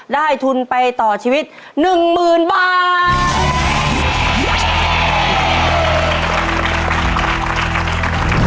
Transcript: ทุนไปต่อชีวิต๑๐๐๐บาท